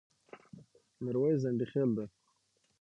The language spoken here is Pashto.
ميرويس ځنډيخيل ډه